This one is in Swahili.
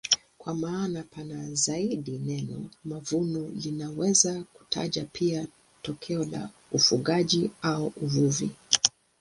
Kwa maana pana zaidi neno mavuno linaweza kutaja pia tokeo la ufugaji au uvuvi.